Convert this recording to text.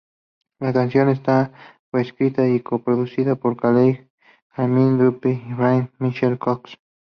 La canción esta co-escrita y co-producida por Carey, Jermaine Dupri y Bryan-Michael Cox.